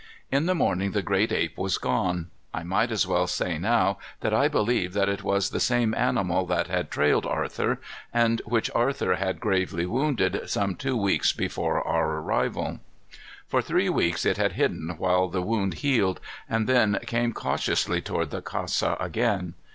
In the morning the great ape was gone. I might as well say now that I believe that it was the same animal that had trailed Arthur, and which Arthur had gravely wounded some two weeks before our arrival. For three weeks it had hidden while the wound healed, and then came cautiously toward the casa again.